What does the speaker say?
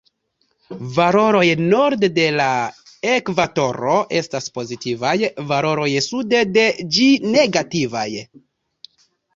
Valoroj norde de la ekvatoro estas pozitivaj, valoroj sude de ĝi negativaj.